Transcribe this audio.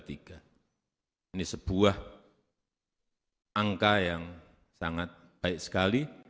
ini sebuah angka yang sangat baik sekali